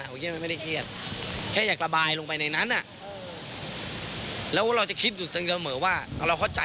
แล้วก็เตรียมที่จะเซฟงบไม่ให้บานปลายไปมากกว่านี้ค่ะ